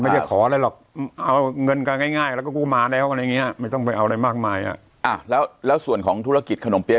มาแล้วอะไรอย่างงี้อ่ะไม่ต้องไปเอาอะไรมากมายอ่ะอ่ะแล้วแล้วส่วนของธุรกิจขนมเปรียส